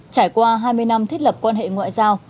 trải qua hai mươi năm thiết lập quan hệ ngoại giao